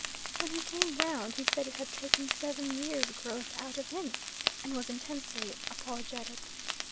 When he came round, he said it had taken seven years' growth out of him, and was intensely apologetic.